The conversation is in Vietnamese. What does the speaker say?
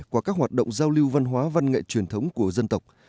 qua các hoạt động giao lưu văn hóa văn nghệ truyền thống của dân tộc